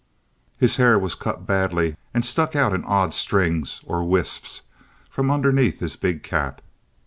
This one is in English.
His hair was cut badly and stuck out in odd strings or wisps from underneath his big cap.